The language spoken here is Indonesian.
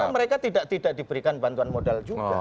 karena mereka tidak diberikan bantuan modal juga